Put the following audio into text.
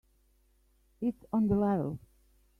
It's on the level.